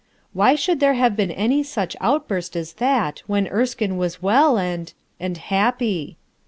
Why should there have been any such outburst as that, when Erskine was well and — and happy.